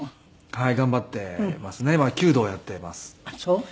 はい。